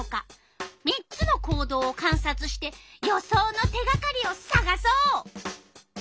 ３つの行動をかんさつして予想の手がかりをさがそう！